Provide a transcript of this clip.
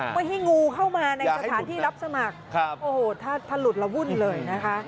ไม่ให้งูเข้ามาในสถานที่รับสมัครโอ้โหถ้าพลุดละวุ่นเลยนะคะ